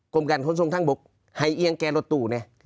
โครงการทุนทรงทางบุคไห้เอียงแกรสตูเนี้ย